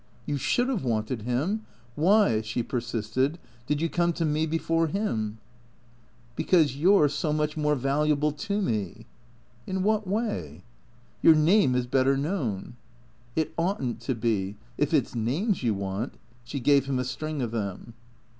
"You should have wanted him. Why" (she persisted), " did you come to me before him ?"" Because you 're so much more valuable to me." " In what way ?" "Your name is better known." " It ought n't to be. If it 's names you want " She gave him a string of them.